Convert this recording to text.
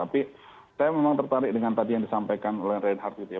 tapi saya memang tertarik dengan tadi yang disampaikan oleh reinhardt gitu ya